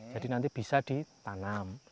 jadi nanti bisa ditanam